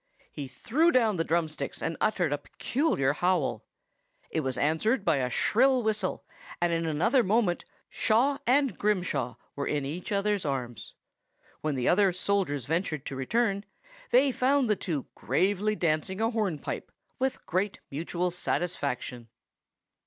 He threw down the drumsticks and uttered a peculiar howl. It was answered by a shrill whistle, and in another moment Shaw and Grimshaw were in each other's arms. When the other soldiers ventured to return, they found the two gravely dancing a hornpipe, with great mutual satisfaction."